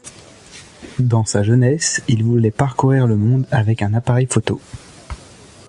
Dans sa jeunesse, il voulait parcourir le monde avec un appareil photo.